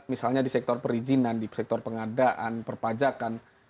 misalnya di sektor perizinan di sektor pengadaan perpajakan